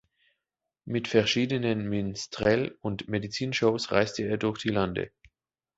Mit verschiedenen Minstrel- und Medizin-Shows reiste er durch die Lande.